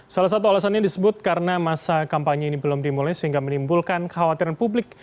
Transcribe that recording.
salah satu alasannya disebut karena masa kampanye ini belum dimulai sehingga menimbulkan kekhawatiran publik